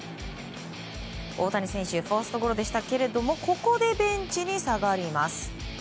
大谷選手ファーストゴロでしたけれどもここでベンチに下がります。